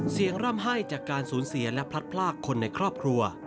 ร่ำไห้จากการสูญเสียและพลัดพลากคนในครอบครัว